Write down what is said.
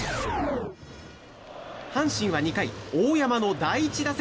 阪神は２回、大山の第１打席。